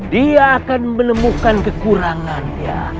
dia akan menemukan kekurangannya